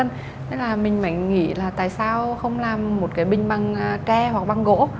thế là mình mới nghĩ là tại sao không làm một cái binh bằng tre hoặc bằng gỗ